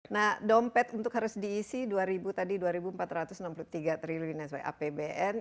nah dompet untuk harus diisi tadi dua ribu empat ratus enam puluh tiga triliun ya sebagai apbn